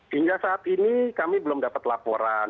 hingga saat ini kami belum dapat laporan